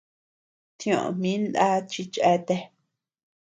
Tioʼö min na chi cheatea.